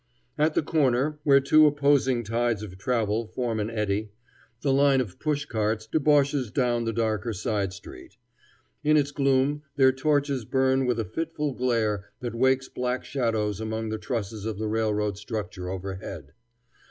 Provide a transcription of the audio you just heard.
At the corner, where two opposing tides of travel form an eddy, the line of push carts debouches down the darker side street. In its gloom their torches burn with a fitful glare that wakes black shadows among the trusses of the railroad structure overhead.